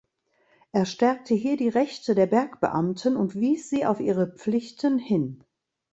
Er stärkte hier die Rechte der Bergbeamten und wies sie auf ihre Pflichten hin.